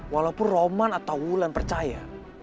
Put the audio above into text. walaupun roman atau wulan percaya